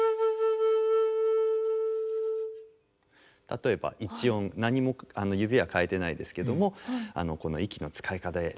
例えば一音何も指は変えてないですけどもこの息の使い方で。